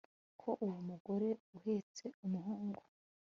ko uwo mugore uhetse umuhungu